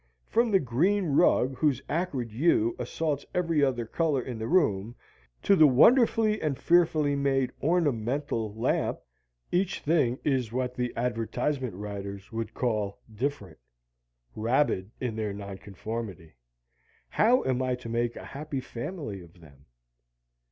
From the green rug whose acrid hue assaults every other color in the room, to the wonderfully and fearfully made "ornamental" lamp, each thing is what the advertisement writers would call "different." Rabid in their nonconformity, how am I to make a happy family of them?